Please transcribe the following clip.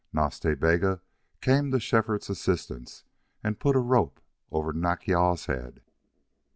Nas Ta Bega came to Shefford's assistance and put a rope over Nack yal's head.